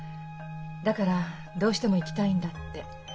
「だからどうしても行きたいんだ」って。